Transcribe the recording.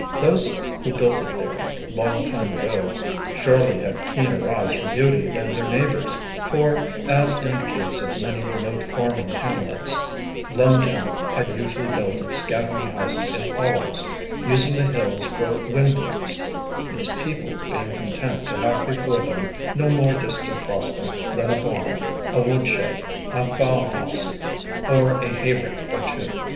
Those who built it there, long time ago, surely had keener eyes for beauty than their neighbors, for, as in the case of many remote farming hamlets, Lonetown had usually built its scattering houses in hollows, using the hills for windbreaks, its people being content to have before them no more distant prospect than a barn, a woodshed, a fowl house, or a hayrick or two.